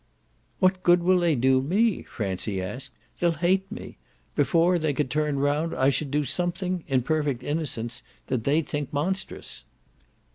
"What good will they do me?" Francie asked. "They'll hate me. Before they could turn round I should do something in perfect innocence that they'd think monstrous."